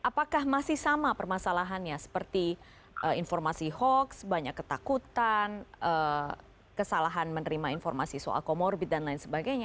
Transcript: apakah masih sama permasalahannya seperti informasi hoax banyak ketakutan kesalahan menerima informasi soal comorbid dan lain sebagainya